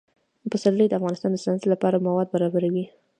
پسرلی د افغانستان د صنعت لپاره مواد برابروي.